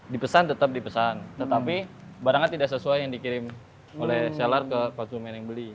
dipesan tetap dipesan tetapi barangnya tidak sesuai yang dikirim oleh seller ke konsumen yang beli